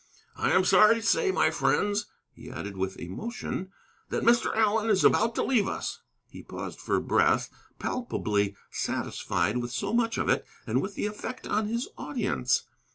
I am sorry to say, my friends," he added, with emotion, "that Mr. Allen is about to leave us." He paused for breath, palpably satisfied with so much of it, and with the effect on his audience.